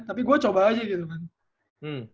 tapi gue coba aja gitu kan